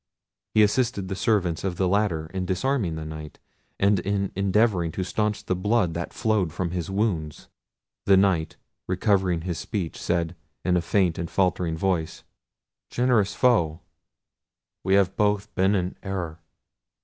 He assisted the servants of the latter in disarming the Knight, and in endeavouring to stanch the blood that flowed from his wounds. The Knight recovering his speech, said, in a faint and faltering voice— "Generous foe, we have both been in an error.